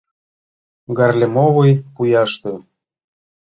Гаарлемовый пӱяште?